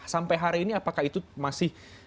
sampai hari ini apakah itu masih